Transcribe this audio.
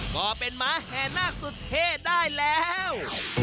ก็เป็นหมาแห่นาคสุดเท่ได้แล้ว